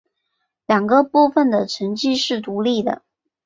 两个部分的成绩是独立的。